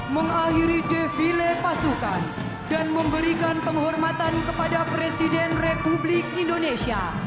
mengakhiri defile pasukan dan memberikan penghormatan kepada presiden republik indonesia